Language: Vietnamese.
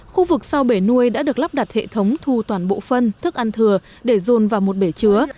khu vực sau bể nuôi đã được lắp đặt hệ thống thu toàn bộ phân thức ăn thừa để dồn vào một bể chứa